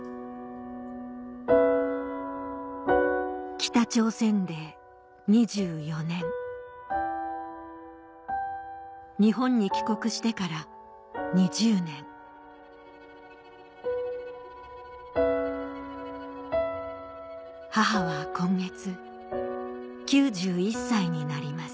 北朝鮮で２４年日本に帰国してから２０年母は今月９１歳になります